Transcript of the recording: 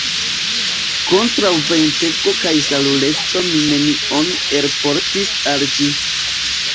Kontraŭ ventego kaj soluleco mi nenion elportis el ĝi.